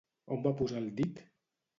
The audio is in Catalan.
On va posar el dit?